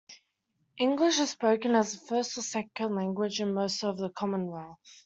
English is spoken as a first or second language in most of the Commonwealth.